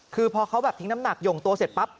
คือพอเขาแบบทิ้งน้ำหนักหย่งตัวเสร็จปั๊บ